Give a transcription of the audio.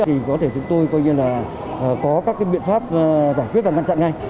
thì có thể chúng tôi có các biện pháp giải quyết và ngăn chặn ngay